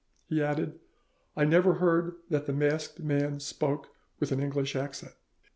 He added, 'I never heard that the masked man spoke with an English accent.